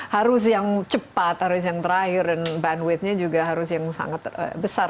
harus yang cepat harus yang terakhir dan bandwidth nya juga harus yang sangat besar